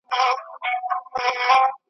په رګو یې د حرص اور وي لګېدلی !.